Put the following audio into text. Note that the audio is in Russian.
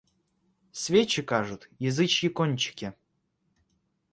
Свечи кажут язычьи кончики.